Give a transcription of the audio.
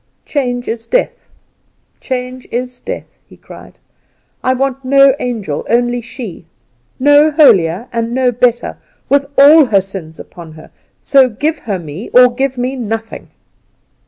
"Change is death, change is death!" he cried. "I want no angel, only she; no holier and no better, with all her sins upon her, so give her me or give me nothing!"